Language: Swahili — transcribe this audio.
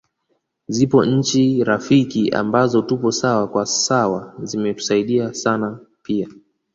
Zipo Nchi rafiki ambazo tupo sawa kwa sawa zimetusaidia sana pia